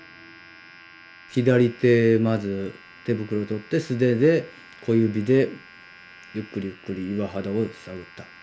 左手まず手袋取って素手で小指でゆっくりゆっくり岩肌を探った。